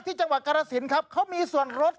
จังหวัดกรสินครับเขามีส่วนรถ